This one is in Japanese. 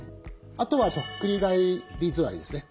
あとはそっくり返り座りですね。